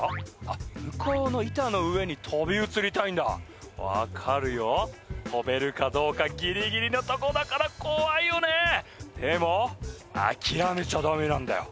あ向こうの板の上に飛び移りたいんだ分かるよ飛べるかどうかギリギリのとこだから怖いよねでも諦めちゃダメなんだよ